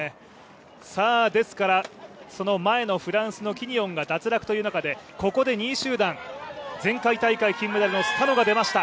ですから、その前のフランスのキニオンが脱落という中でここで２位集団、前回大会金メダルのスタノが出ました。